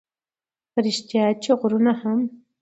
په رښتیا چې غرونه هم